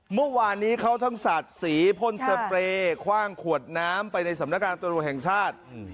เมื่อวานนี้เขาทั้งสาดสีพ่นสเปรย์คว่างขวดน้ำไปในสำนักการตรวจแห่งชาติ